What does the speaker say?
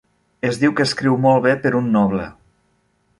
Es diu que escriu molt bé per un noble.